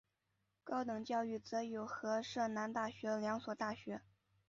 高等教育则有和摄南大学两所大学。